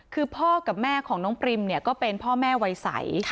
คือพ่อกับแม่ของน้องปริมเนี่ยก็เป็นพ่อแม่วัยใส